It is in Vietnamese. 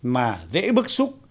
mà dễ bức xúc